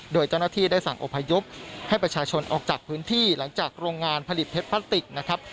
โดยเจ้าหน้าที่ได้สั่งอพยพให้ประชาชนออกจากพื้นที่หลังจากโรงงานผลิตเพชรพลาสติกนะครับ